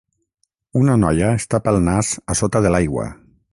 Una noia es tapa el nas a sota de l'aigua.